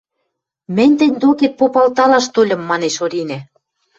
— Мӹнь тӹнь докет попалталаш тольым, — манеш Оринӓ.